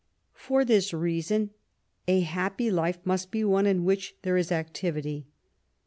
For this reason, a happy life must be one in which there is activity.